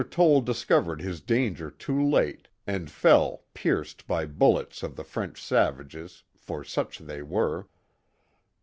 Toll discovered his danger too late and fell pierced by bul * lets of the French savages, for such they were.